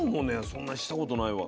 そんなしたことないわ。